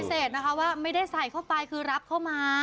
เขาก็ปฏิเสธนะคะว่าไม่ได้ใส่เข้าไปคือรับเข้ามา